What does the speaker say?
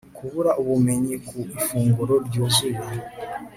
kubura ubumenyi ku ifunguro ryuzuye